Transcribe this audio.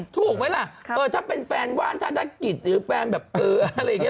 ถูกไหมล่ะถ้าเป็นแฟนว่านธนกิจหรือแฟนแบบเอออะไรอย่างนี้